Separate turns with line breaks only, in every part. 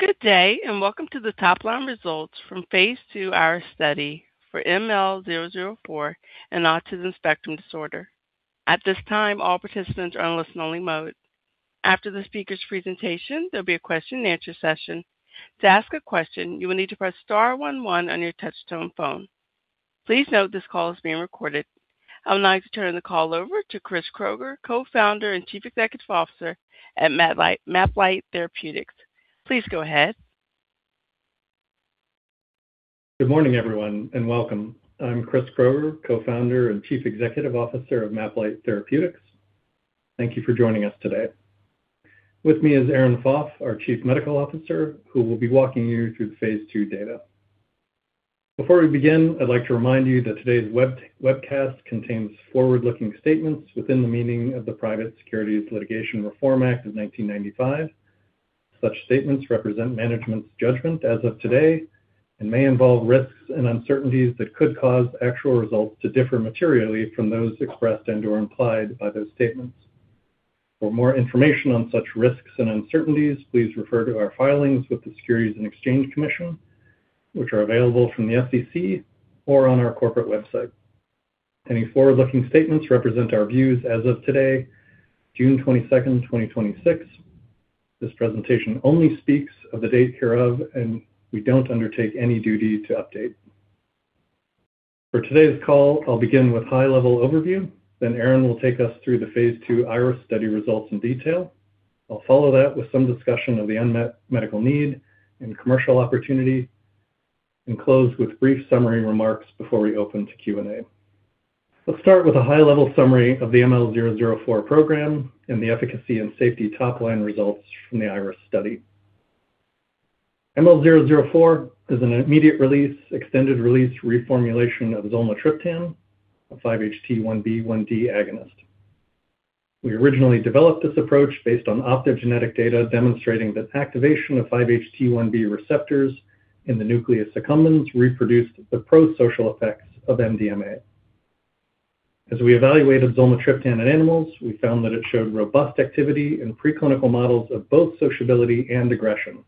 Good day. Welcome to the top-line results from phase II IRIS study for ML-004 in autism spectrum disorder. At this time, all participants are on listen-only mode. After the speaker's presentation, there will be a question and answer session. To ask a question, you will need to press star one one on your touch-tone phone. Please note this call is being recorded. I would like to turn the call over to Chris Kroeger, Co-founder and Chief Executive Officer at MapLight Therapeutics. Please go ahead.
Good morning, everyone. Welcome. I'm Chris Kroeger, Co-founder and Chief Executive Officer of MapLight Therapeutics. Thank you for joining us today. With me is Erin Foff, our Chief Medical Officer, who will be walking you through the phase II data. Before we begin, I'd like to remind you that today's webcast contains forward-looking statements within the meaning of the Private Securities Litigation Reform Act of 1995. Such statements represent management's judgment as of today and may involve risks and uncertainties that could cause actual results to differ materially from those expressed and/or implied by those statements. For more information on such risks and uncertainties, please refer to our filings with the Securities and Exchange Commission, which are available from the SEC or on our corporate website. Any forward-looking statements represent our views as of today, June 22nd, 2026. This presentation only speaks of the date hereof. We don't undertake any duty to update. For today's call, I'll begin with high-level overview. Erin will take us through the phase II IRIS study results in detail. I'll follow that with some discussion of the unmet medical need and commercial opportunity and close with brief summary remarks before we open to Q&A. Let's start with a high-level summary of the ML-004 program and the efficacy and safety top-line results from the IRIS study. ML-004 is an immediate release, extended release reformulation of zolmitriptan, a 5-HT1B/1D agonist. We originally developed this approach based on optogenetic data demonstrating that activation of 5-HT1B receptors in the nucleus accumbens reproduced the prosocial effects of MDMA. As we evaluated zolmitriptan in animals, we found that it showed robust activity in preclinical models of both sociability and aggression.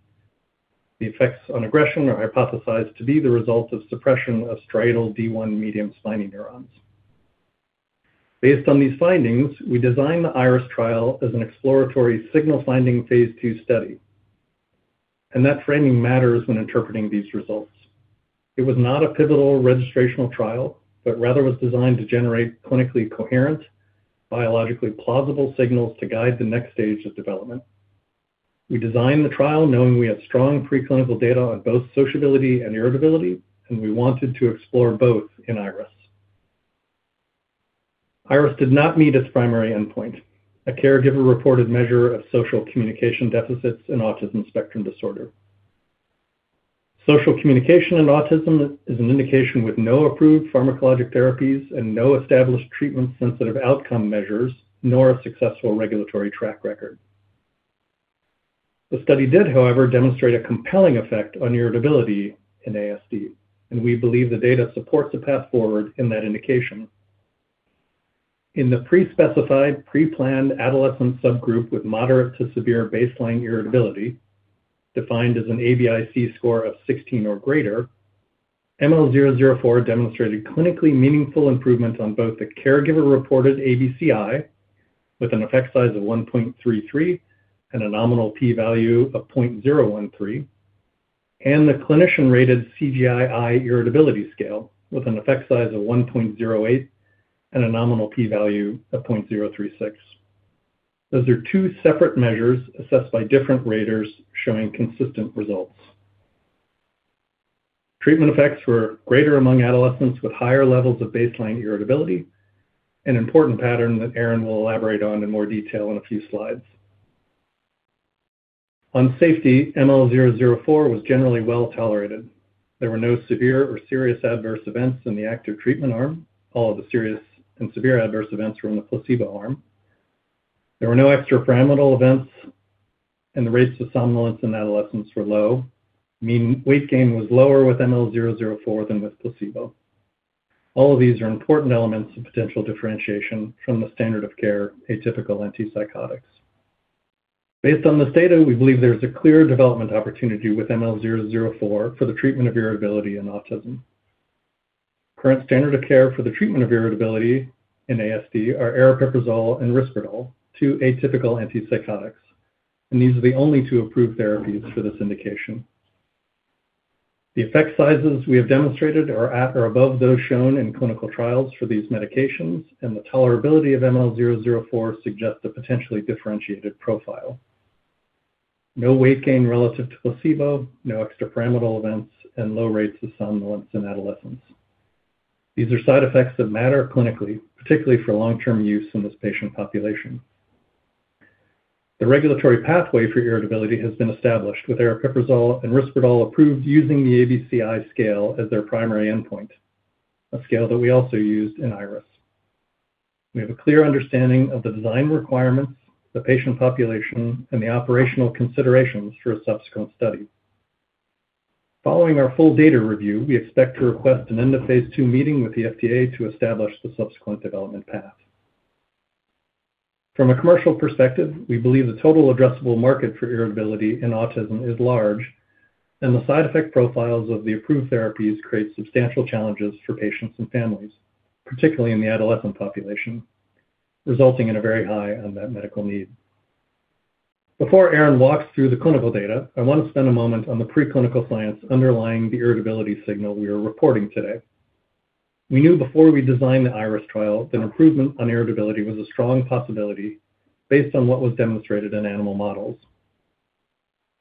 The effects on aggression are hypothesized to be the result of suppression of striatal D1 medium spiny neurons. Based on these findings, we designed the IRIS trial as an exploratory signal finding phase II study. That framing matters when interpreting these results. It was not a pivotal registrational trial, but rather was designed to generate clinically coherent, biologically plausible signals to guide the next stage of development. We designed the trial knowing we had strong preclinical data on both sociability and irritability. We wanted to explore both in IRIS. IRIS did not meet its primary endpoint, a caregiver-reported measure of social communication deficits in autism spectrum disorder. Social communication in autism is an indication with no approved pharmacologic therapies and no established treatment-sensitive outcome measures, nor a successful regulatory track record. The study did, however, demonstrate a compelling effect on irritability in ASD, and we believe the data supports a path forward in that indication. In the pre-specified, pre-planned adolescent subgroup with moderate to severe baseline irritability, defined as an ABI-C score of 16 or greater, ML-004 demonstrated clinically meaningful improvements on both the caregiver-reported ABC-I with an effect size of 1.33 and a nominal P-value of 0.013, and the clinician-rated CGI-I irritability scale with an effect size of 1.08 and a nominal P-value of 0.036. Those are two separate measures assessed by different raters showing consistent results. Treatment effects were greater among adolescents with higher levels of baseline irritability, an important pattern that Erin will elaborate on in more detail in a few slides. On safety, ML-004 was generally well-tolerated. There were no severe or serious adverse events in the active treatment arm. All of the serious and severe adverse events were in the placebo arm. There were no extrapyramidal events, and the rates of somnolence in adolescents were low. Mean weight gain was lower with ML-004 than with placebo. All of these are important elements of potential differentiation from the standard of care, atypical antipsychotics. Based on this data, we believe there is a clear development opportunity with ML-004 for the treatment of irritability in autism. Current standard of care for the treatment of irritability in ASD are aripiprazole and risperidone, two atypical antipsychotics, and these are the only two approved therapies for this indication. The effect sizes we have demonstrated are at or above those shown in clinical trials for these medications, and the tolerability of ML-004 suggests a potentially differentiated profile. No weight gain relative to placebo, no extrapyramidal events, and low rates of somnolence in adolescents. These are side effects that matter clinically, particularly for long-term use in this patient population. The regulatory pathway for irritability has been established with aripiprazole and risperidone approved using the ABC-I scale as their primary endpoint, a scale that we also used in IRIS. We have a clear understanding of the design requirements, the patient population, and the operational considerations for a subsequent study. Following our full data review, we expect to request an end-of-phase II meeting with the FDA to establish the subsequent development path. From a commercial perspective, we believe the total addressable market for irritability in autism is large, and the side effect profiles of the approved therapies create substantial challenges for patients and families, particularly in the adolescent population, resulting in a very high unmet medical need. Before Erin walks through the clinical data, I want to spend a moment on the preclinical science underlying the irritability signal we are reporting today. We knew before we designed the IRIS trial that improvement on irritability was a strong possibility based on what was demonstrated in animal models.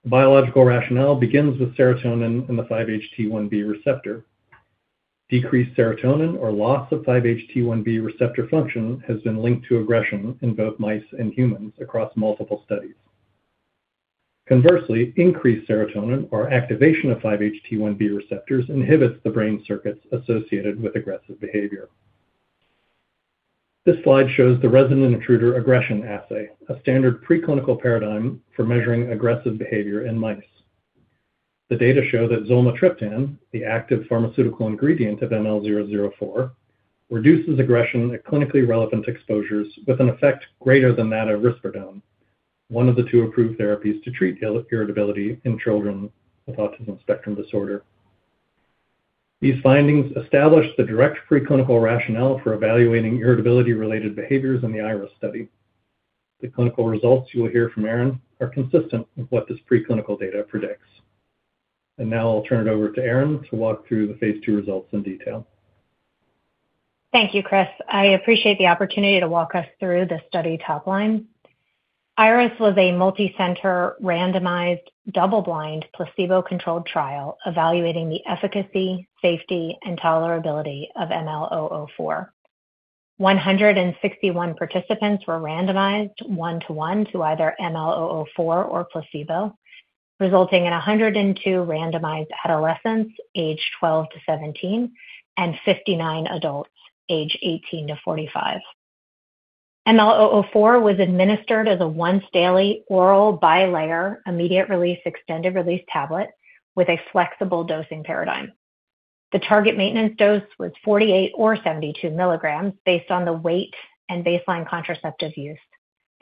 Biological rationale begins with serotonin and the 5-HT1B receptor. Decreased serotonin or loss of 5-HT1B receptor function has been linked to aggression in both mice and humans across multiple studies. Conversely, increased serotonin or activation of 5-HT1B receptors inhibits the brain circuits associated with aggressive behavior. This slide shows the resident intruder aggression assay, a standard preclinical paradigm for measuring aggressive behavior in mice. The data show that zolmitriptan, the active pharmaceutical ingredient of ML-004, reduces aggression at clinically relevant exposures with an effect greater than that of risperidone, one of the two approved therapies to treat irritability in children with autism spectrum disorder. These findings establish the direct preclinical rationale for evaluating irritability-related behaviors in the IRIS study. The clinical results you will hear from Erin are consistent with what this preclinical data predicts. Now I'll turn it over to Erin to walk through the phase II results in detail.
Thank you, Chris. I appreciate the opportunity to walk us through the study top line. IRIS was a multicenter, randomized, double-blind, placebo-controlled trial evaluating the efficacy, safety, and tolerability of ML-004. 161 participants were randomized one to one to either ML-004 or placebo, resulting in 102 randomized adolescents aged 12 to 17 and 59 adults age 18 to 45. ML-004 was administered as a once-daily oral bilayer immediate release, extended release tablet with a flexible dosing paradigm. The target maintenance dose was 48 mg or 72 mg based on the weight and baseline contraceptive use.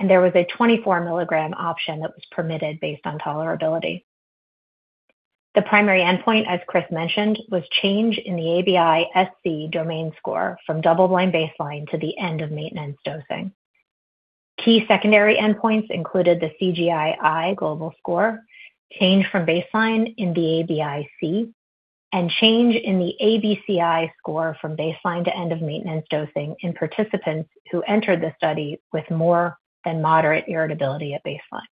There was a 24 mg option that was permitted based on tolerability. The primary endpoint, as Chris mentioned, was change in the ABI-SC domain score from double-blind baseline to the end of maintenance dosing. Key secondary endpoints included the CGI-I global score, change from baseline in the ABI-C, and change in the ABC-I score from baseline to end of maintenance dosing in participants who entered the study with more than moderate irritability at baseline.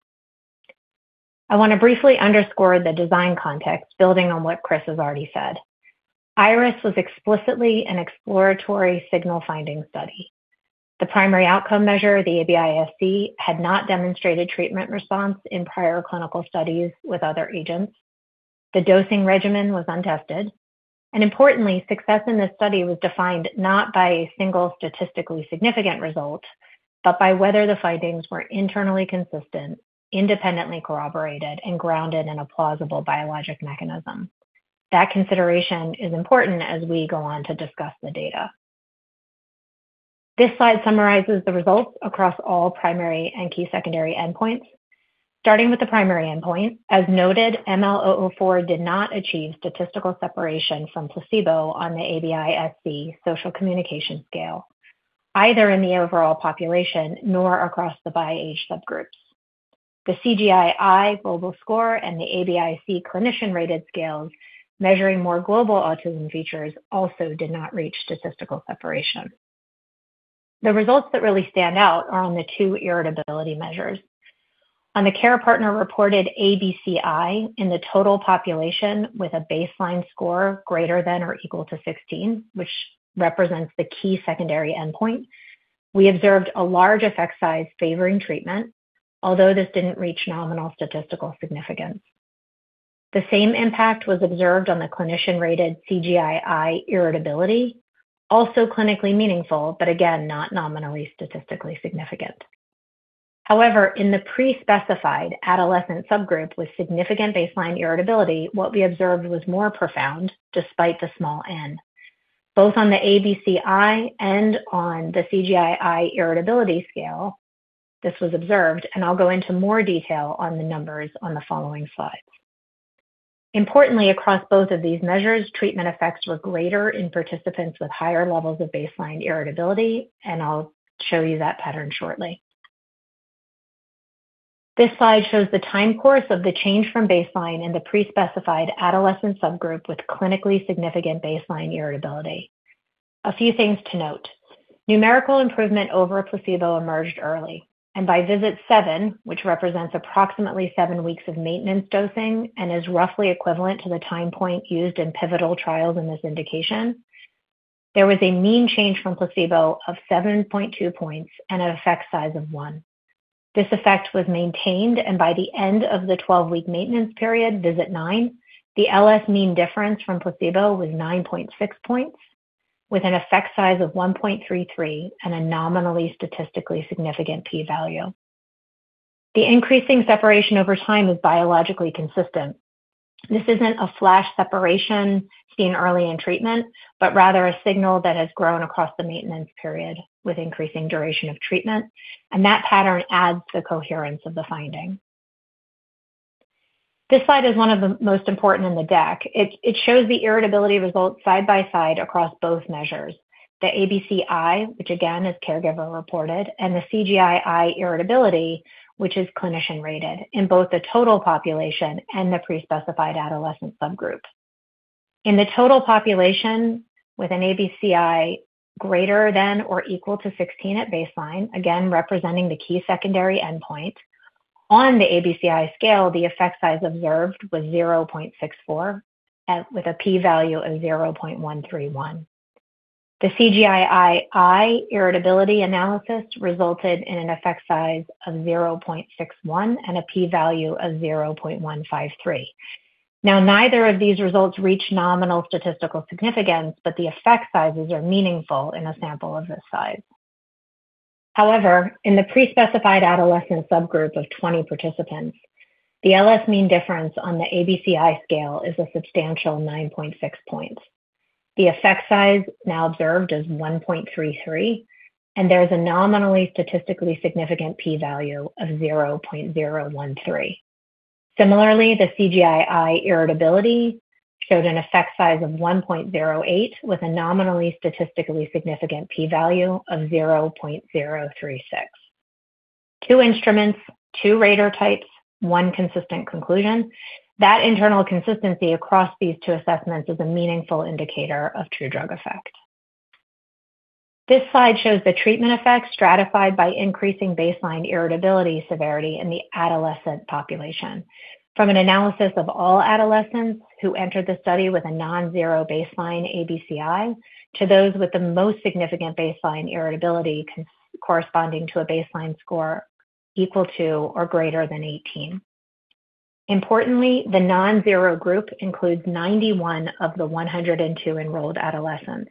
I want to briefly underscore the design context, building on what Chris has already said. IRIS was explicitly an exploratory signal finding study. The primary outcome measure, the ABI-SC, had not demonstrated treatment response in prior clinical studies with other agents. The dosing regimen was untested. Importantly, success in this study was defined not by a single statistically significant result, but by whether the findings were internally consistent, independently corroborated, and grounded in a plausible biologic mechanism. That consideration is important as we go on to discuss the data. This slide summarizes the results across all primary and key secondary endpoints, starting with the primary endpoint. As noted, ML-004 did not achieve statistical separation from placebo on the ABI-SC social communication scale, either in the overall population nor across the by age subgroups. The CGI-I global score and the ABI-C clinician-rated scales measuring more global autism features also did not reach statistical separation. The results that really stand out are on the two irritability measures. On the care partner reported ABC-I in the total population with a baseline score greater than or equal to 16, which represents the key secondary endpoint, we observed a large effect size favoring treatment, although this didn't reach nominal statistical significance. The same impact was observed on the clinician-rated CGI-I irritability, also clinically meaningful, but again, not nominally statistically significant. However, in the pre-specified adolescent subgroup with significant baseline irritability, what we observed was more profound despite the small n. Both on the ABC-I and on the CGI-I irritability scale, this was observed, and I'll go into more detail on the numbers on the following slides. Importantly, across both of these measures, treatment effects were greater in participants with higher levels of baseline irritability, and I'll show you that pattern shortly. This slide shows the time course of the change from baseline in the pre-specified adolescent subgroup with clinically significant baseline irritability. A few things to note. Numerical improvement over placebo emerged early, and by visit seven, which represents approximately seven weeks of maintenance dosing and is roughly equivalent to the time point used in pivotal trials in this indication, there was a mean change from placebo of 7.2 points and an effect size of one. This effect was maintained, and by the end of the 12-week maintenance period, visit nine, the LS mean difference from placebo was 9.6 points with an effect size of 1.33 and a nominally statistically significant P-value. The increasing separation over time is biologically consistent. This isn't a flash separation seen early in treatment, but rather a signal that has grown across the maintenance period with increasing duration of treatment, and that pattern adds to the coherence of the finding. This slide is one of the most important in the deck. It shows the irritability results side by side across both measures. The ABC-I, which again is caregiver reported, and the CGI-I irritability, which is clinician rated in both the total population and the pre-specified adolescent subgroup. In the total population with an ABC-I greater than or equal to 16 at baseline, again, representing the key secondary endpoint. On the ABC-I scale, the effect size observed was 0.64, with a P-value of 0.131. The CGI-I irritability analysis resulted in an effect size of 0.61 and a P-value of 0.153. Neither of these results reach nominal statistical significance, but the effect sizes are meaningful in a sample of this size. In the pre-specified adolescent subgroup of 20 participants, the LS mean difference on the ABC-I scale is a substantial 9.6 points. The effect size now observed is 1.33, and there is a nominally statistically significant P-value of 0.013. Similarly, the CGI-I irritability showed an effect size of 1.08 with a nominally statistically significant P-value of 0.036. Two instruments, two rater types, one consistent conclusion. That internal consistency across these two assessments is a meaningful indicator of true drug effect. This slide shows the treatment effect stratified by increasing baseline irritability severity in the adolescent population. From an analysis of all adolescents who entered the study with a non-zero baseline ABC-I, to those with the most significant baseline irritability corresponding to a baseline score equal to or greater than 18. Importantly, the non-zero group includes 91 of the 102 enrolled adolescents.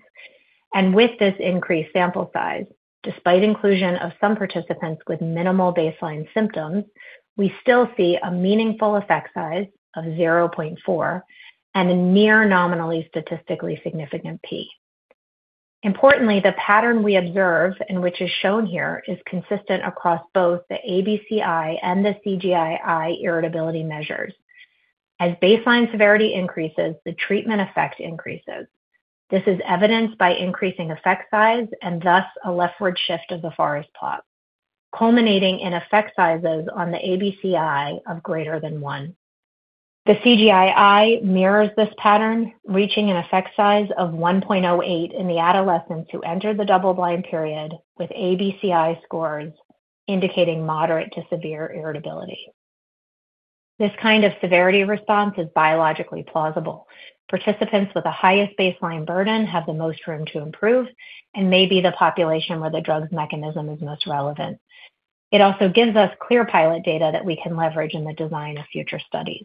With this increased sample size, despite inclusion of some participants with minimal baseline symptoms, we still see a meaningful effect size of 0.4 and a near nominally statistically significant P. Importantly, the pattern we observe and which is shown here is consistent across both the ABC-I and the CGI-I irritability measures. As baseline severity increases, the treatment effect increases. This is evidenced by increasing effect size and thus a leftward shift of the forest plot, culminating in effect sizes on the ABC-I of greater than one. The CGI-I mirrors this pattern, reaching an effect size of 1.08 in the adolescents who entered the double-blind period with ABC-I scores indicating moderate to severe irritability. This kind of severity response is biologically plausible. Participants with the highest baseline burden have the most room to improve and may be the population where the drug's mechanism is most relevant. It also gives us clear pilot data that we can leverage in the design of future studies.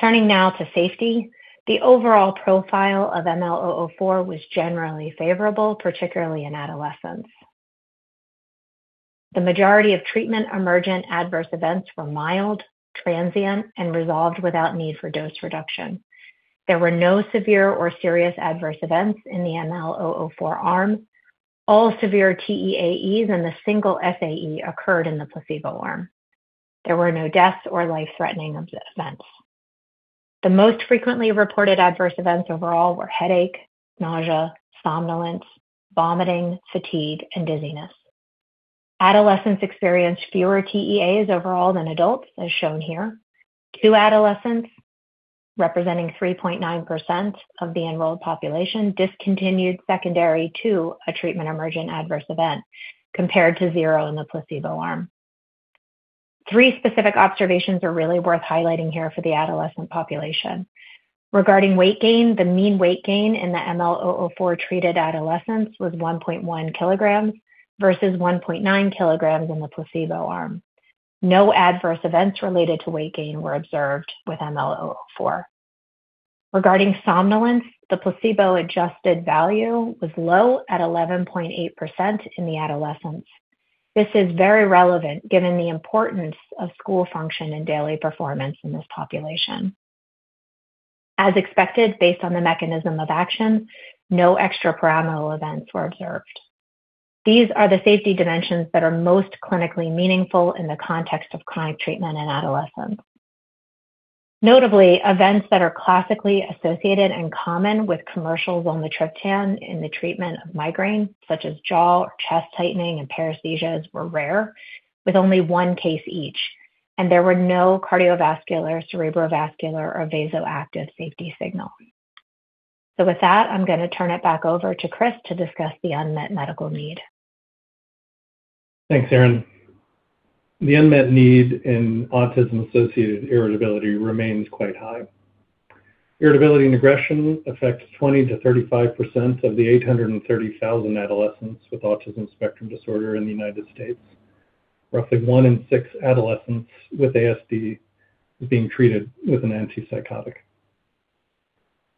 Turning now to safety, the overall profile of ML-004 was generally favorable, particularly in adolescents. The majority of treatment-emergent adverse events were mild, transient, and resolved without need for dose reduction. There were no severe or serious adverse events in the ML-004 arm. All severe TEAEs and the single SAE occurred in the placebo arm. There were no deaths or life-threatening events. The most frequently reported adverse events overall were headache, nausea, somnolence, vomiting, fatigue, and dizziness. Adolescents experienced fewer TEAEs overall than adults, as shown here. Two adolescents, representing 3.9% of the enrolled population, discontinued secondary to a treatment-emergent adverse event, compared to zero in the placebo arm. Three specific observations are really worth highlighting here for the adolescent population. Regarding weight gain, the mean weight gain in the ML-004-treated adolescents was 1.1 kilograms versus 1.9 kilograms in the placebo arm. No adverse events related to weight gain were observed with ML-004. Regarding somnolence, the placebo-adjusted value was low at 11.8% in the adolescents. This is very relevant given the importance of school function and daily performance in this population. As expected, based on the mechanism of action, no extrapyramidal events were observed. These are the safety dimensions that are most clinically meaningful in the context of chronic treatment in adolescents. Notably, events that are classically associated and common with commercial zolmitriptan in the treatment of migraine, such as jaw or chest tightening and paresthesias, were rare, with only one case each, and there were no cardiovascular, cerebrovascular, or vasoactive safety signal. With that, I'm going to turn it back over to Chris to discuss the unmet medical need.
Thanks, Erin. The unmet need in autism-associated irritability remains quite high. Irritability and aggression affects 20%-35% of the 830,000 adolescents with autism spectrum disorder in the United States. Roughly one in six adolescents with ASD is being treated with an antipsychotic.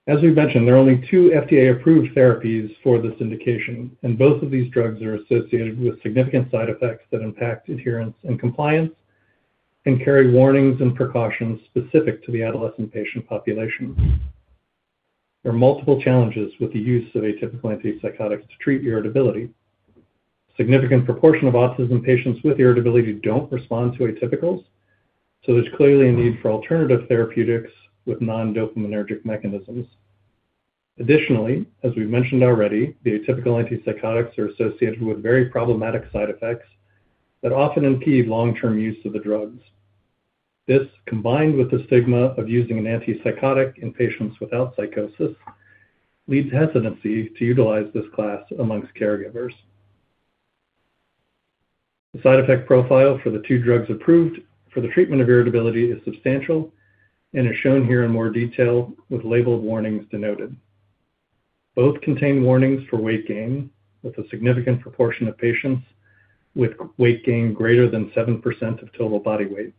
As we've mentioned, there are only two FDA-approved therapies for this indication, and both of these drugs are associated with significant side effects that impact adherence and compliance and carry warnings and precautions specific to the adolescent patient population. There are multiple challenges with the use of atypical antipsychotics to treat irritability. A significant proportion of autism patients with irritability don't respond to atypicals, so there's clearly a need for alternative therapeutics with non-dopaminergic mechanisms. Additionally, as we've mentioned already, the atypical antipsychotics are associated with very problematic side effects that often impede long-term use of the drugs. This, combined with the stigma of using an antipsychotic in patients without psychosis, leads to hesitancy to utilize this class amongst caregivers. The side effect profile for the two drugs approved for the treatment of irritability is substantial and is shown here in more detail with labeled warnings denoted. Both contain warnings for weight gain, with a significant proportion of patients with weight gain greater than 7% of total body weight.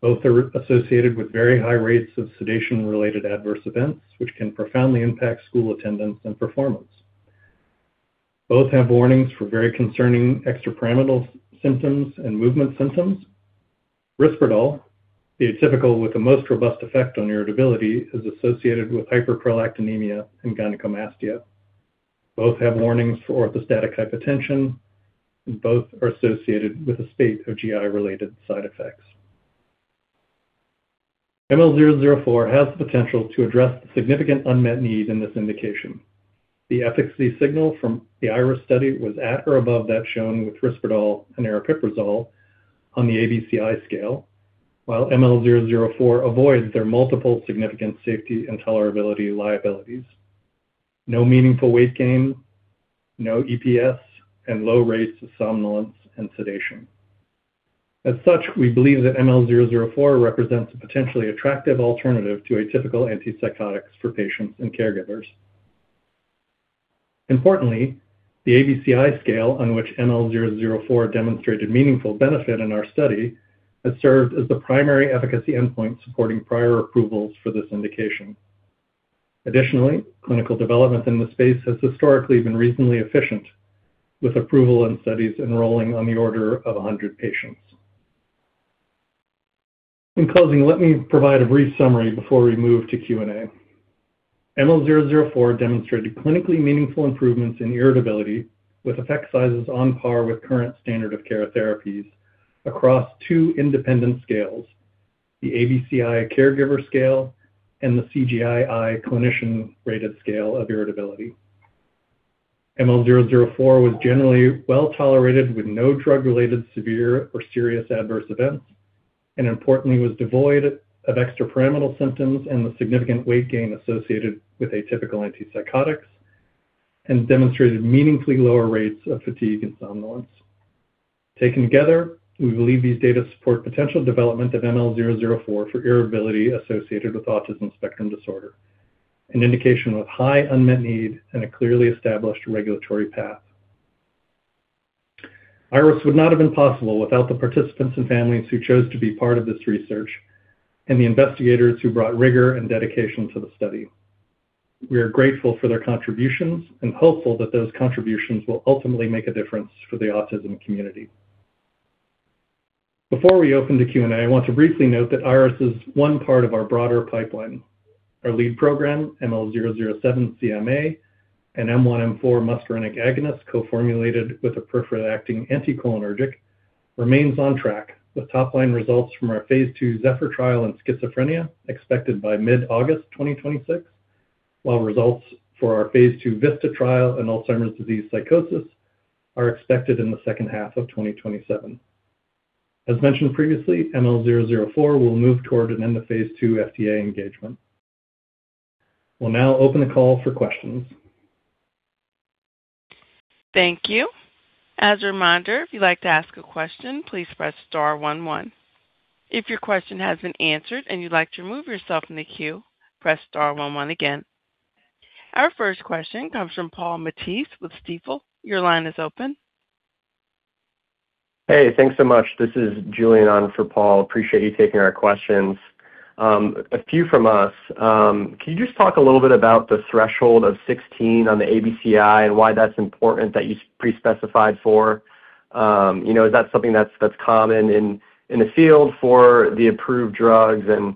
Both are associated with very high rates of sedation-related adverse events, which can profoundly impact school attendance and performance. Both have warnings for very concerning extrapyramidal symptoms and movement symptoms. Risperdal, the atypical with the most robust effect on irritability, is associated with hyperprolactinemia and gynecomastia. Both have warnings for orthostatic hypotension and both are associated with a spate of GI-related side effects. ML-004 has the potential to address the significant unmet need in this indication. The efficacy signal from the IRIS study was at or above that shown with Risperdal and aripiprazole on the ABC-I scale, while ML-004 avoids their multiple significant safety and tolerability liabilities. No meaningful weight gain, no EPS, and low rates of somnolence and sedation. As such, we believe that ML-004 represents a potentially attractive alternative to atypical antipsychotics for patients and caregivers. Importantly, the ABC-I scale on which ML-004 demonstrated meaningful benefit in our study has served as the primary efficacy endpoint supporting prior approvals for this indication. Additionally, clinical development in the space has historically been reasonably efficient, with approval and studies enrolling on the order of 100 patients. In closing, let me provide a brief summary before we move to Q&A. ML-004 demonstrated clinically meaningful improvements in irritability with effect sizes on par with current standard of care therapies across two independent scales, the ABC-I caregiver scale and the CGI-I clinician-rated scale of irritability. ML-004 was generally well-tolerated with no drug-related severe or serious adverse events, and importantly, was devoid of extrapyramidal symptoms and the significant weight gain associated with atypical antipsychotics and demonstrated meaningfully lower rates of fatigue and somnolence. Taken together, we believe these data support potential development of ML-004 for irritability associated with autism spectrum disorder, an indication with high unmet need and a clearly established regulatory path. IRIS would not have been possible without the participants and families who chose to be part of this research and the investigators who brought rigor and dedication to the study. We are grateful for their contributions and hopeful that those contributions will ultimately make a difference for the autism community. Before we open to Q&A, I want to briefly note that IRIS is one part of our broader pipeline. Our lead program, ML-007C-MA, an M1/M4 muscarinic agonist co-formulated with a peripherally acting anticholinergic, remains on track with top-line results from our phase II ZEPHYR trial in schizophrenia expected by mid-August 2026, while results for our phase II VISTA trial in Alzheimer's disease psychosis are expected in the second half of 2027. As mentioned previously, ML-004 will move toward an end of phase II FDA engagement. We will now open the call for questions.
Thank you. As a reminder, if you'd like to ask a question, please press star one one. If your question has been answered and you'd like to remove yourself from the queue, press star one one again. Our first question comes from Paul Matteis with Stifel. Your line is open.
Hey, thanks so much. This is Julian on for Paul. Appreciate you taking our questions. A few from us. Can you just talk a little bit about the threshold of 16 on the ABC-I and why that's important that you pre-specified for? Is that something that's common in the field for the approved drugs and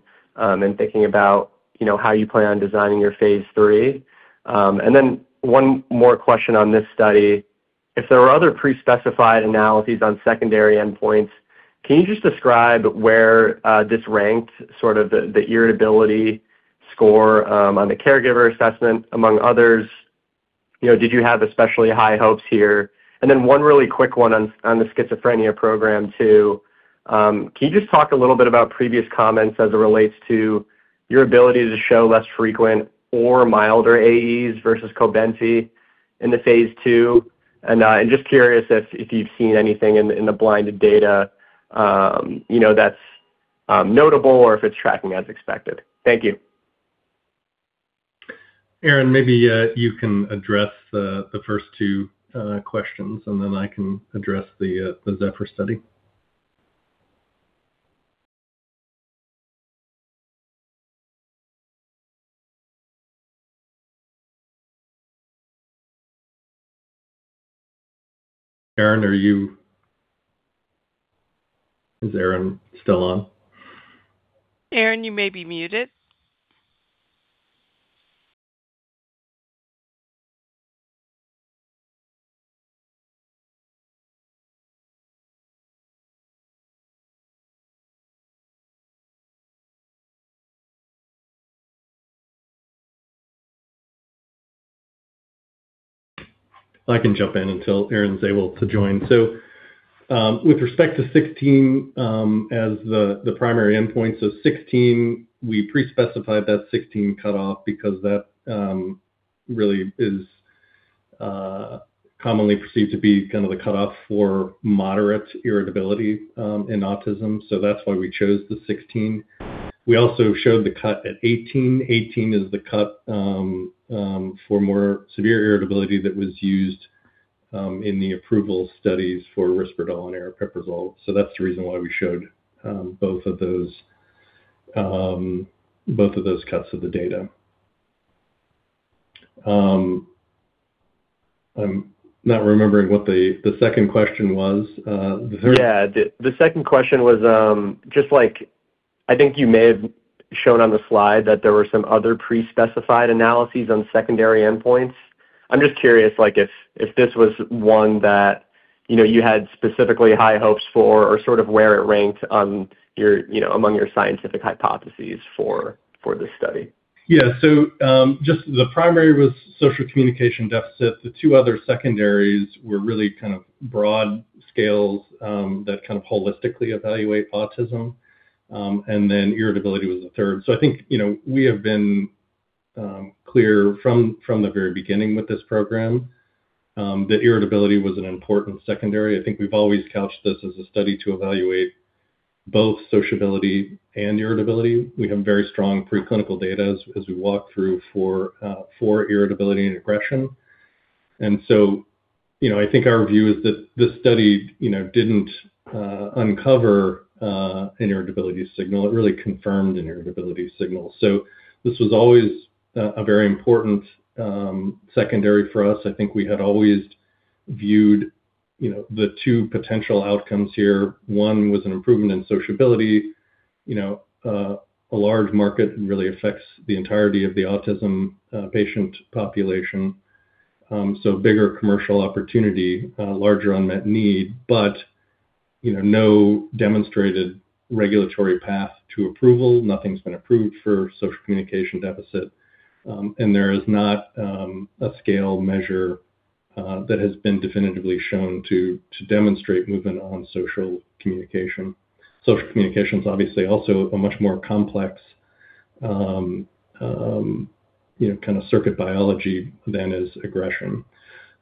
thinking about how you plan on designing your phase III? One more question on this study. If there were other pre-specified analyses on secondary endpoints, can you just describe where this ranked, sort of the irritability score on the caregiver assessment among others? Did you have especially high hopes here? One really quick one on the schizophrenia program two. Can you just talk a little bit about previous comments as it relates to your ability to show less frequent or milder AEs versus Cobenfy in the phase II? Just curious if you've seen anything in the blinded data that's notable or if it's tracking as expected. Thank you.
Erin, maybe you can address the first two questions, then I can address the ZEPHYR study. Erin, are you still on?
Erin, you may be muted.
I can jump in until Erin's able to join. With respect to 16 as the primary endpoint, 16, we pre-specified that 16 cutoff because that really is commonly perceived to be kind of the cutoff for moderate irritability in autism. That's why we chose the 16. We also showed the cut at 18. 18 is the cut for more severe irritability that was used in the approval studies for risperidone and aripiprazole. That's the reason why we showed both of those cuts of the data. I am not remembering what the second question was.
Yeah. The second question was, I think you may have shown on the slide that there were some other pre-specified analyses on secondary endpoints. I'm just curious if this was one that you had specifically high hopes for or sort of where it ranked among your scientific hypotheses for this study.
Yeah. Just the primary was social communication deficit. The two other secondaries were really kind of broad scales that holistically evaluate autism. Then irritability was a third. I think, we have been clear from the very beginning with this program that irritability was an important secondary. I think we've always couched this as a study to evaluate both sociability and irritability. We have very strong preclinical data as we walk through for irritability and aggression. I think our view is that this study didn't uncover an irritability signal. It really confirmed an irritability signal. This was always a very important secondary for us. I think we had always viewed the two potential outcomes here. One was an improvement in sociability. A large market really affects the entirety of the autism patient population. Bigger commercial opportunity, larger unmet need, no demonstrated regulatory path to approval. Nothing's been approved for social communication deficit. There is not a scale measure that has been definitively shown to demonstrate movement on social communication. Social communication's obviously also a much more complex kind of circuit biology than is aggression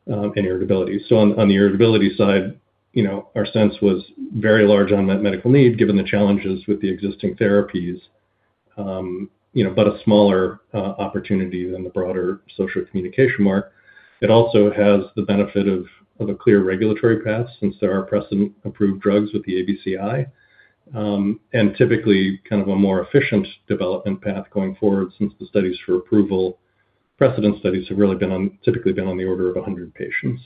and irritability. On the irritability side, our sense was very large unmet medical need given the challenges with the existing therapies, a smaller opportunity than the broader social communication mark. It also has the benefit of a clear regulatory path since there are precedent-approved drugs with the ABC-I. Typically, kind of a more efficient development path going forward since the studies for approval, precedent studies have really typically been on the order of 100 patients.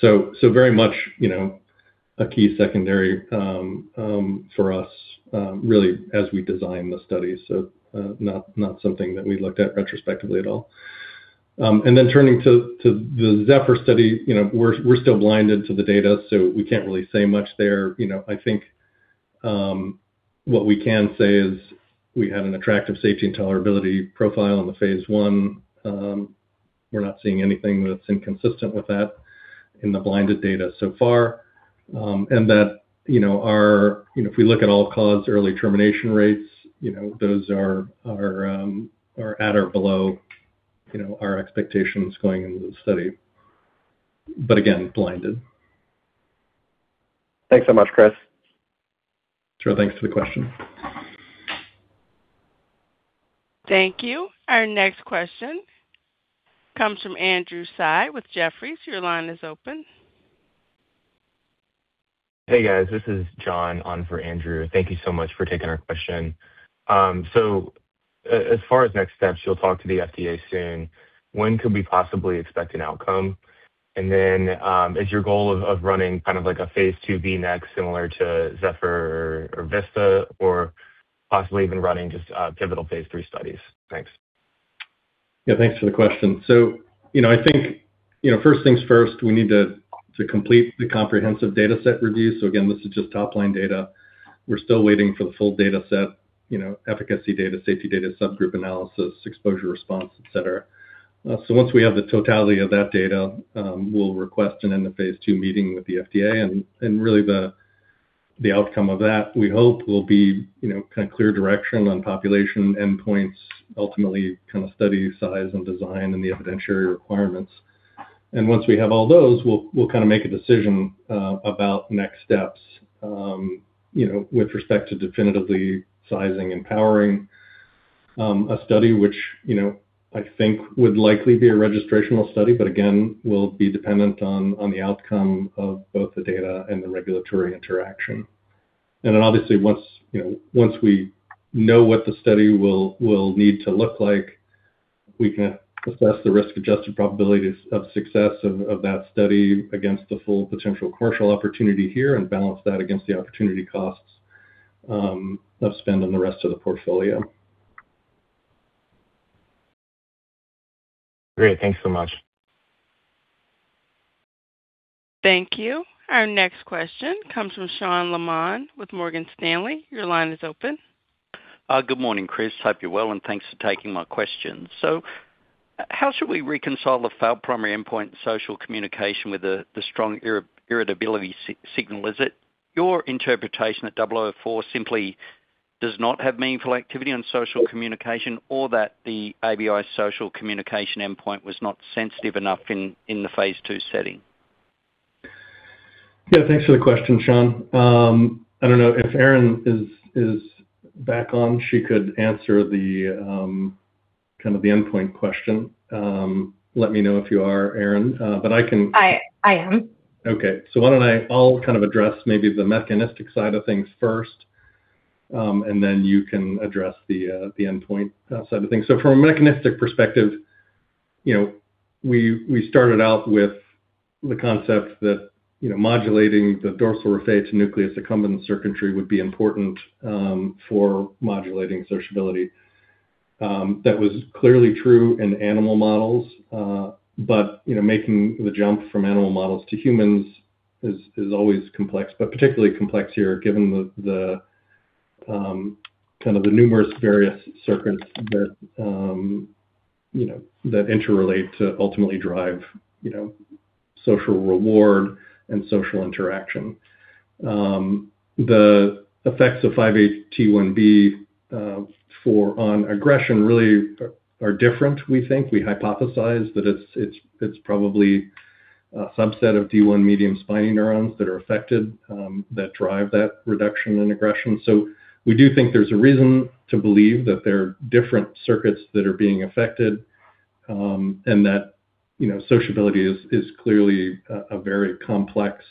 Very much a key secondary for us really as we design the study. Not something that we looked at retrospectively at all. Turning to the ZEPHYR study, we're still blinded to the data, we can't really say much there. I think what we can say is we had an attractive safety and tolerability profile in the phase I. We're not seeing anything that's inconsistent with that in the blinded data so far. If we look at all-cause early termination rates, those are at or below our expectations going into the study, again, blinded.
Thanks so much, Chris.
Sure. Thanks for the question.
Thank you. Our next question comes from Andrew Tsai with Jefferies. Your line is open.
Hey, guys. This is John on for Andrew. Thank you so much for taking our question. As far as next steps, you'll talk to the FDA soon. When could we possibly expect an outcome? Is your goal of running kind of like a phase II-B next similar to ZEPHYR or VISTA or possibly even running just pivotal phase III studies? Thanks.
Yeah, thanks for the question. I think first things first, we need to complete the comprehensive dataset review. Again, this is just top-line data. We're still waiting for the full dataset, efficacy data, safety data, subgroup analysis, exposure response, et cetera. Once we have the totality of that data, we'll request an end-of-phase II meeting with the FDA, and really the outcome of that, we hope, will be kind of clear direction on population endpoints, ultimately study size and design and the evidentiary requirements. Once we have all those, we'll make a decision about next steps with respect to definitively sizing and powering a study which I think would likely be a registrational study, but again, will be dependent on the outcome of both the data and the regulatory interaction. Obviously once we know what the study will need to look like, we can assess the risk-adjusted probability of success of that study against the full potential commercial opportunity here and balance that against the opportunity costs of spend on the rest of the portfolio.
Great. Thanks so much.
Thank you. Our next question comes from Sean Laaman with Morgan Stanley. Your line is open.
Good morning, Chris. Hope you're well, and thanks for taking my questions. How should we reconcile the failed primary endpoint social communication with the strong irritability signal? Is it your interpretation that ML-004 simply does not have meaningful activity on social communication, or that the ABI Social Communication endpoint was not sensitive enough in the phase II setting?
Yeah. Thanks for the question, Sean. I don't know if Erin is back on. She could answer the endpoint question. Let me know if you are, Erin.
I am.
Okay. Why don't I address maybe the mechanistic side of things first, and then you can address the endpoint side of things. From a mechanistic perspective, we started out with the concept that modulating the dorsal raphe to nucleus accumbens circuitry would be important for modulating sociability. That was clearly true in animal models, but making the jump from animal models to humans is always complex, but particularly complex here given the numerous various circuits that interrelate to ultimately drive social reward and social interaction. The effects of 5-HT1B on aggression really are different, we think. We hypothesize that it's probably a subset of D1 medium spiny neurons that are affected, that drive that reduction in aggression. We do think there's a reason to believe that there are different circuits that are being affected, and that sociability is clearly a very complex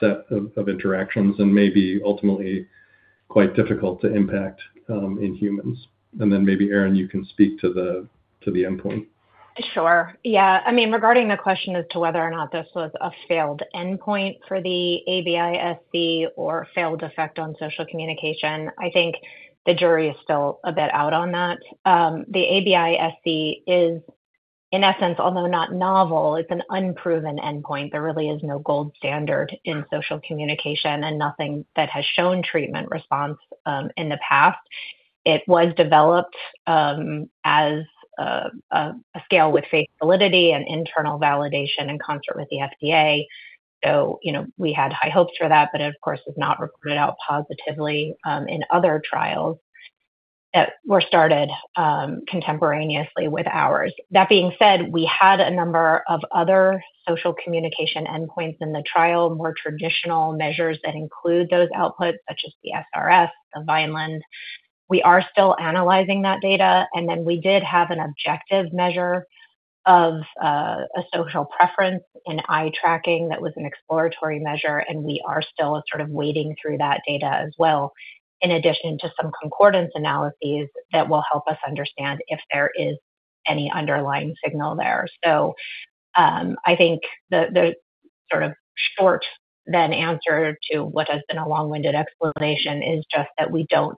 set of interactions and maybe ultimately quite difficult to impact in humans. Maybe, Erin, you can speak to the endpoint.
Sure. Yeah. Regarding the question as to whether or not this was a failed endpoint for the ABI-SC or failed effect on social communication, I think the jury is still a bit out on that. The ABI-SC is, in essence, although not novel, it's an unproven endpoint. There really is no gold standard in social communication and nothing that has shown treatment response in the past. It was developed as a scale with face validity and internal validation in concert with the FDA. We had high hopes for that, but it, of course, has not reported out positively in other trials that were started contemporaneously with ours. That being said, we had a number of other social communication endpoints in the trial, more traditional measures that include those outputs, such as the SRS, the Vineland. We are still analyzing that data. We did have an objective measure of a social preference in eye tracking that was an exploratory measure, and we are still sort of wading through that data as well, in addition to some concordance analyses that will help us understand if there is any underlying signal there. I think the sort of short then answer to what has been a long-winded explanation is just that we don't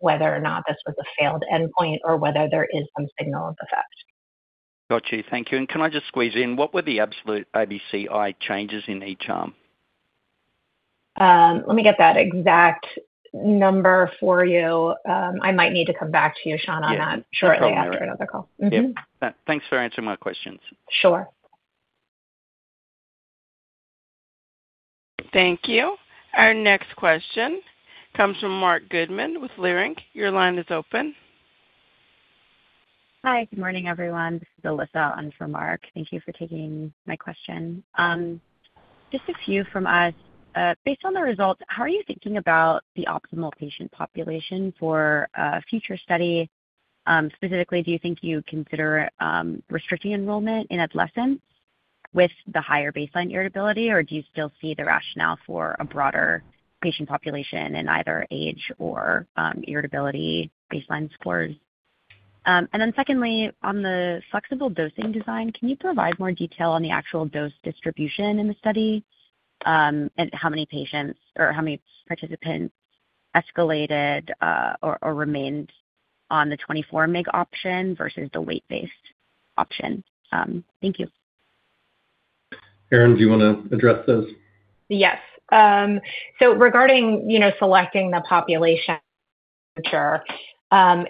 yet know whether or not this was a failed endpoint or whether there is some signal of effect.
Got you. Thank you. Can I just squeeze in, what were the absolute ABC-I changes in each arm?
Let me get that exact number for you. I might need to come back to you, Sean, on that.
Yeah. No problem, Erin.
shortly after another call.
Yep. Thanks for answering my questions.
Sure.
Thank you. Our next question comes from Marc Goodman with Leerink. Your line is open.
Hi. Good morning, everyone. This is Alyssa in for Marc. Thank you for taking my question. Just a few from us. Based on the results, how are you thinking about the optimal patient population for a future study? Specifically, do you think you'd consider restricting enrollment in adolescents with the higher baseline irritability, or do you still see the rationale for a broader patient population in either age or irritability baseline scores? Then secondly, on the flexible dosing design, can you provide more detail on the actual dose distribution in the study? And how many patients or how many participants escalated or remained on the 24 mg option versus the weight-based option? Thank you.
Erin, do you want to address those?
Yes. Regarding selecting the population I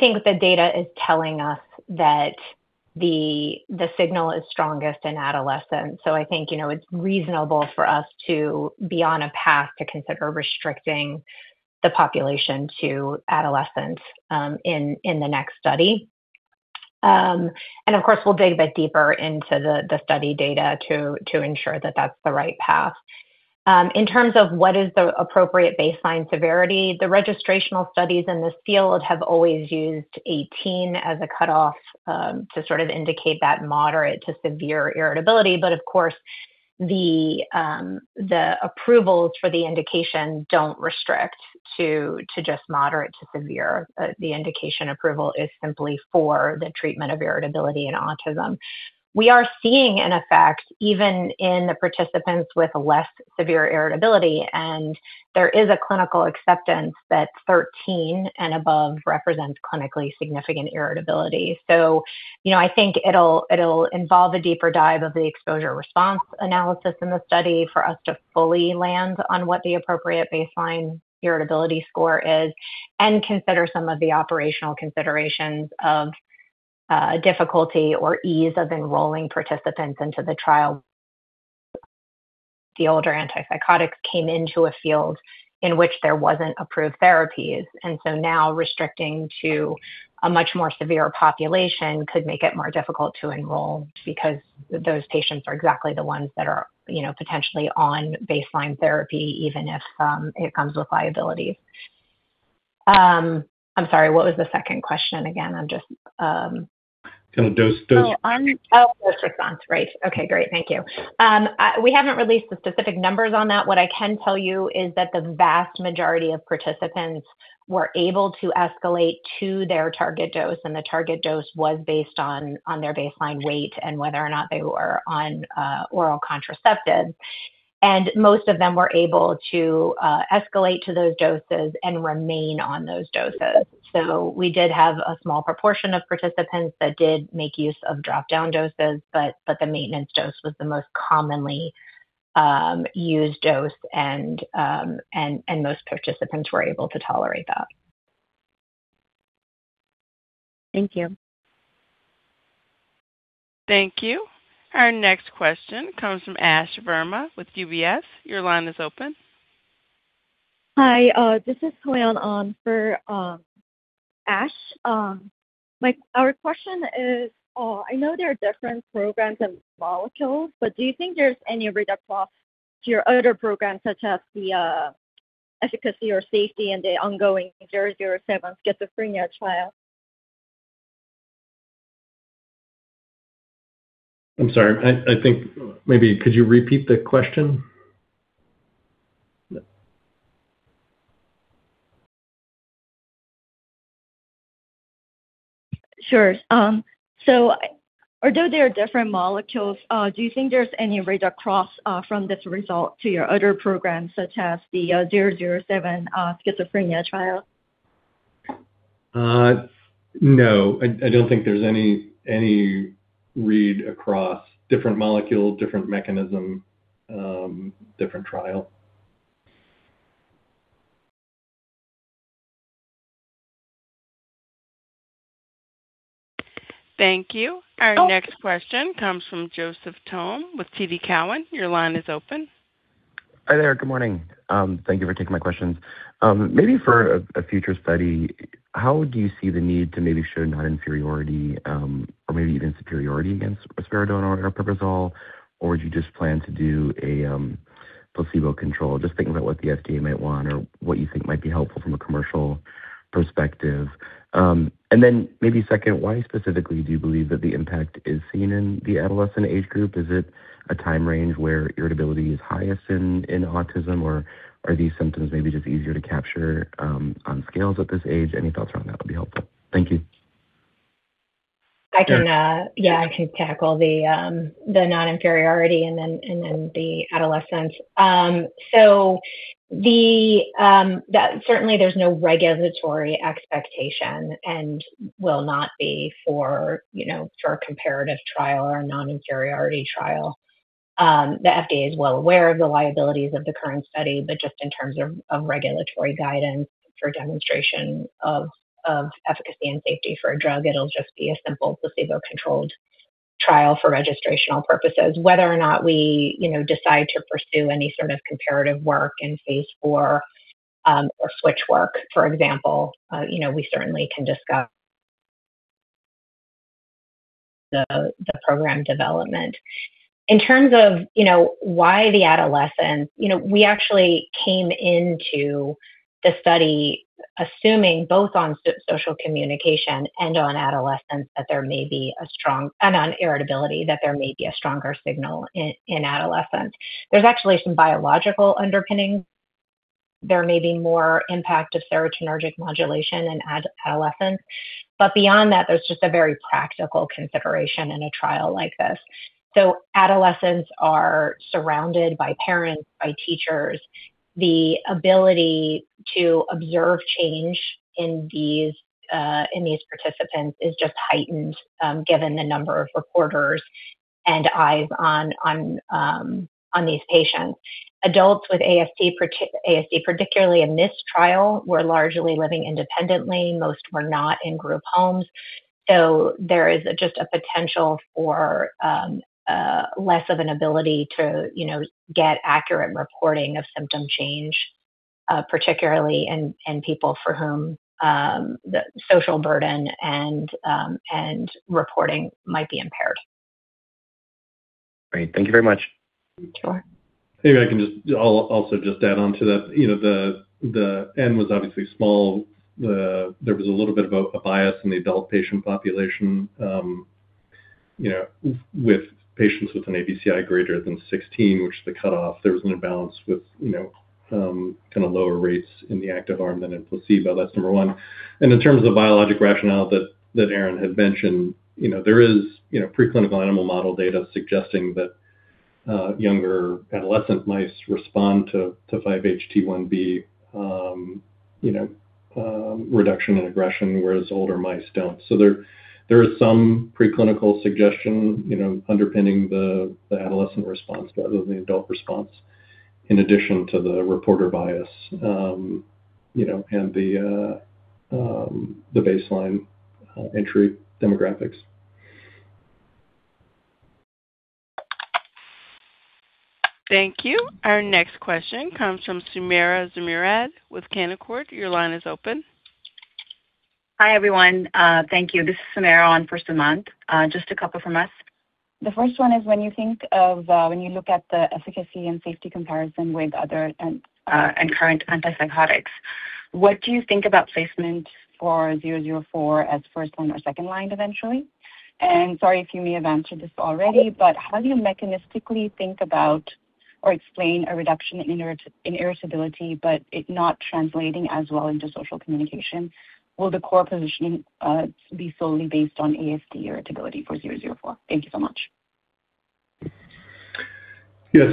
think the data is telling us that the signal is strongest in adolescents. I think, it's reasonable for us to be on a path to consider restricting the population to adolescents in the next study. Of course, we'll dig a bit deeper into the study data to ensure that that's the right path. In terms of what is the appropriate baseline severity, the registrational studies in this field have always used 18 as a cutoff to indicate that moderate to severe irritability. Of course, the approvals for the indication don't restrict to just moderate to severe. The indication approval is simply for the treatment of irritability in autism. We are seeing an effect even in the participants with less severe irritability, and there is a clinical acceptance that 13 and above represents clinically significant irritability. I think it'll involve a deeper dive of the exposure response analysis in the study for us to fully land on what the appropriate baseline irritability score is and consider some of the operational considerations of difficulty or ease of enrolling participants into the trial. The older antipsychotics came into a field in which there wasn't approved therapies, and so now restricting to a much more severe population could make it more difficult to enroll because those patients are exactly the ones that are potentially on baseline therapy, even if it comes with liabilities. I'm sorry, what was the second question again?
Dose-
Oh, dose response. Right. Okay, great. Thank you. We haven't released the specific numbers on that. What I can tell you is that the vast majority of participants were able to escalate to their target dose, and the target dose was based on their baseline weight and whether or not they were on oral contraceptives. Most of them were able to escalate to those doses and remain on those doses. We did have a small proportion of participants that did make use of drop-down doses, but the maintenance dose was the most commonly used dose, and most participants were able to tolerate that.
Thank you.
Thank you. Our next question comes from Ash Verma with UBS. Your line is open.
Hi. This is Huayan for Ash. Our question is, I know there are different programs and molecules, but do you think there's any read-across to your other programs, such as the efficacy or safety in the ongoing ML-007 schizophrenia trial?
I'm sorry. I think maybe could you repeat the question?
Sure. Although there are different molecules, do you think there's any read-across from this result to your other programs, such as the ML-007 schizophrenia trial?
No. I don't think there's any read-across. Different molecule, different mechanism, different trial.
Thank you. Our next question comes from Joseph Thome with TD Cowen. Your line is open.
Hi there. Good morning. Thank you for taking my questions. Maybe for a future study, how do you see the need to maybe show non-inferiority, or maybe even superiority against risperidone or aripiprazole? Do you just plan to do a placebo control? Just thinking about what the FDA might want or what you think might be helpful from a commercial perspective. Maybe second, why specifically do you believe that the impact is seen in the adolescent age group? Is it a time range where irritability is highest in autism, or are these symptoms maybe just easier to capture on scales at this age? Any thoughts around that would be helpful. Thank you.
Yeah, I can tackle the non-inferiority and then the adolescents. Certainly there's no regulatory expectation and will not be for our comparative trial or non-inferiority trial. The FDA is well aware of the liabilities of the current study, just in terms of regulatory guidance for demonstration of efficacy and safety for a drug, it'll just be a simple placebo-controlled trial for registrational purposes. Whether or not we decide to pursue any sort of comparative work in phase IV or switch work, for example, we certainly can discuss the program development. In terms of why the adolescents, we actually came into the study assuming both on social communication and on irritability, that there may be a stronger signal in adolescents. There's actually some biological underpinning. There may be more impact of serotonergic modulation in adolescents. Beyond that, there's just a very practical consideration in a trial like this. Adolescents are surrounded by parents, by teachers. The ability to observe change in these participants is just heightened given the number of reporters and eyes on these patients. Adults with ASD, particularly in this trial, were largely living independently. Most were not in group homes. There is just a potential for less of an ability to get accurate reporting of symptom change particularly in people for whom the social burden and reporting might be impaired.
Great. Thank you very much.
Sure.
Maybe I can just also just add on to that. The end was obviously small. There was a little bit of a bias in the adult patient population with patients with an ABC-I greater than 16, which is the cutoff. There was an imbalance with lower rates in the active arm than in placebo. That's number one. In terms of biologic rationale that Erin had mentioned, there is preclinical animal model data suggesting that younger adolescent mice respond to 5-HT1B reduction in aggression, whereas older mice don't. There is some preclinical suggestion underpinning the adolescent response rather than the adult response, in addition to the reporter bias and the baseline entry demographics.
Thank you. Our next question comes from Sumaira Zamurrad with Canaccord. Your line is open.
Hi, everyone. Thank you. This is Sumaira on for Sumant. Just a couple from us. The first one is when you look at the efficacy and safety comparison with other and current antipsychotics, what do you think about placement for ML-004 as first-line or second-line eventually? Sorry if you may have answered this already, but how do you mechanistically think about or explain a reduction in irritability, but it not translating as well into social communication? Will the core positioning be solely based on ASD irritability for ML-004? Thank you so much.
Yeah.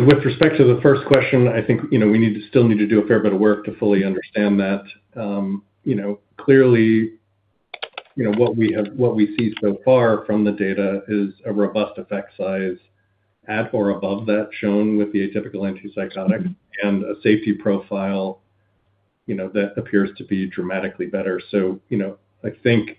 With respect to the first question, I think we still need to do a fair bit of work to fully understand that. Clearly, what we see so far from the data is a robust effect size at or above that shown with the atypical antipsychotic and a safety profile that appears to be dramatically better. I think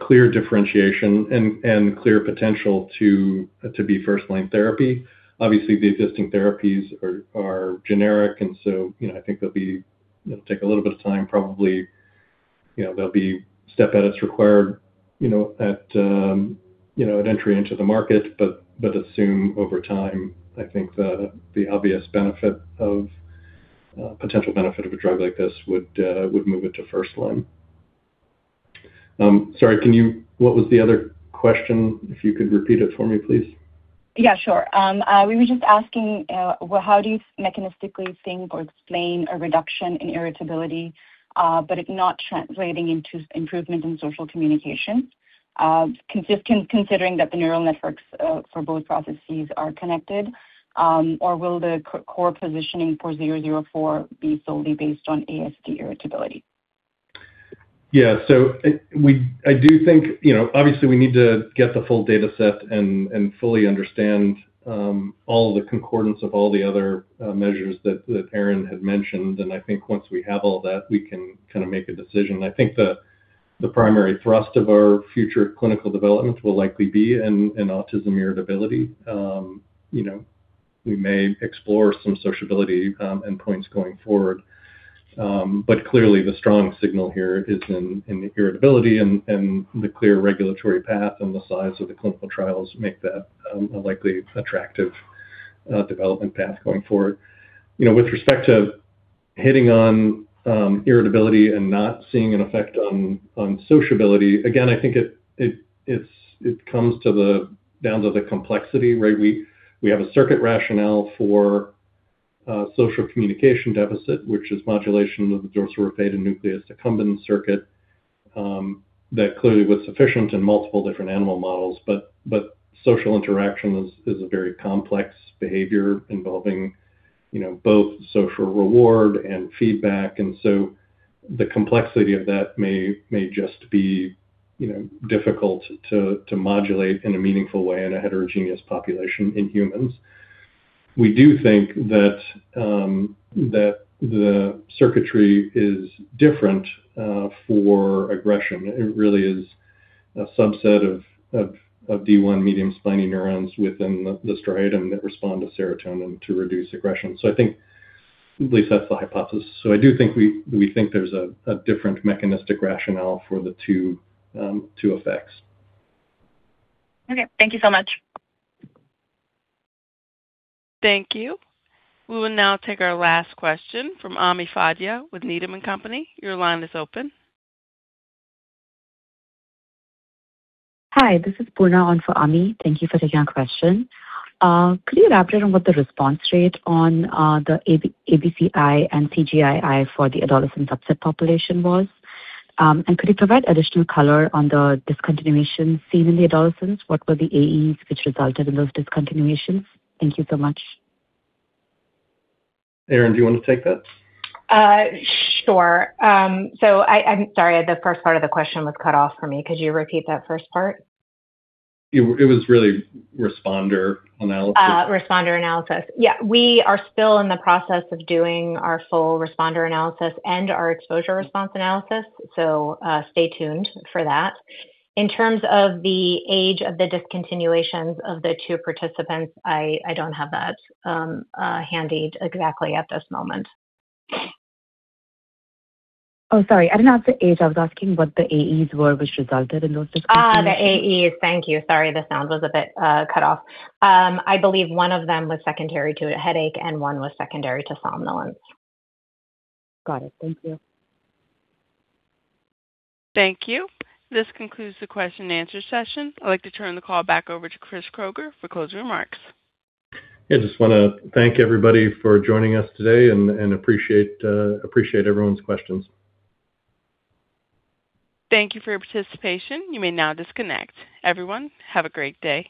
clear differentiation and clear potential to be first-line therapy. Obviously, the existing therapies are generic, I think it'll take a little bit of time. Probably there'll be step edits required at entry into the market, assume over time, I think the obvious potential benefit of a drug like this would move it to first line. Sorry, what was the other question? If you could repeat it for me, please.
Yeah, sure. We were just asking how do you mechanistically think or explain a reduction in irritability, but it not translating into improvement in social communication, considering that the neural networks for both processes are connected? Will the core positioning for ML-004 be solely based on ASD irritability?
Yeah. I do think, obviously, we need to get the full data set and fully understand all the concordance of all the other measures that Erin had mentioned. I think once we have all that, we can make a decision. I think the primary thrust of our future clinical development will likely be in autism irritability. We may explore some sociability endpoints going forward. Clearly the strong signal here is in the irritability and the clear regulatory path and the size of the clinical trials make that a likely attractive development path going forward. With respect to hitting on irritability and not seeing an effect on sociability, again, I think it comes down to the complexity, right? We have a circuit rationale for social communication deficit, which is modulation of the dorsal raphe and nucleus accumbens circuit. That clearly was sufficient in multiple different animal models. Social interaction is a very complex behavior involving both social reward and feedback. The complexity of that may just be difficult to modulate in a meaningful way in a heterogeneous population in humans. We do think that the circuitry is different for aggression. It really is a subset of D1 medium spiny neurons within the striatum that respond to serotonin to reduce aggression. I think at least that's the hypothesis. I do think we think there's a different mechanistic rationale for the two effects.
Okay. Thank you so much.
Thank you. We will now take our last question from Ami Fadia with Needham & Company. Your line is open.
Hi, this is Poorna on for Ami. Thank you for taking our question. Could you elaborate on what the response rate on the ABC-I and CGI-I for the adolescent subset population was? Could you provide additional color on the discontinuation seen in the adolescents? What were the AEs which resulted in those discontinuations? Thank you so much.
Erin, do you want to take that?
Sure. I'm sorry, the first part of the question was cut off for me. Could you repeat that first part?
It was really responder analysis.
Responder analysis. Yeah. We are still in the process of doing our full responder analysis and our exposure response analysis. Stay tuned for that. In terms of the age of the discontinuations of the two participants, I don't have that handy exactly at this moment.
Sorry. I didn't ask the age. I was asking what the AEs were which resulted in those discontinuations.
The AEs. Thank you. Sorry, the sound was a bit cut off. I believe one of them was secondary to a headache and one was secondary to somnolence.
Got it. Thank you.
Thank you. This concludes the question and answer session. I'd like to turn the call back over to Chris Kroeger for closing remarks.
I just want to thank everybody for joining us today and appreciate everyone's questions.
Thank you for your participation. You may now disconnect. Everyone, have a great day.